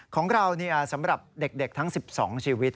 ของเราเนี่ยสำหรับเด็กทั้ง๑๒ชีวิต